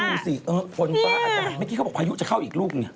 อ่ะอ่ะว่าอาจารย์ก็คือแบบเมื่อกี้เขาบอกว่าวายุจะเข้าอีกรูปนี่